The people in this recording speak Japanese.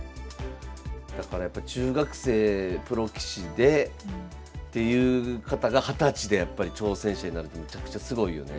だからやっぱ中学生プロ棋士でっていう方が二十歳でやっぱり挑戦者になるってめちゃくちゃすごいよね。